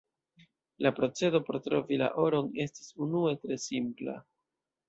La procedo por trovi la oron estis unue tre simpla.